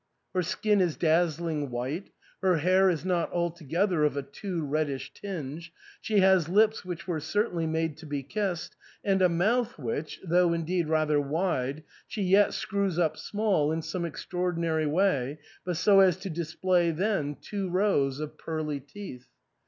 Her skin is dazzling white, her hair is not altogether of a too reddish tinge ; she has lips which were certainly made to be kissed, and a mouth which, though indeed rather wide, she yet screws up small in some extraor dinary way, but so as to display then two rows of pearly teeth.